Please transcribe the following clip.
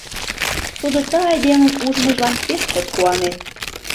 Тудо ты айдемым ужмыжлан пеш чот куанен.